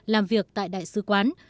làm việc tại đại sứ quán